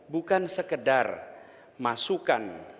bukan sekedar masukan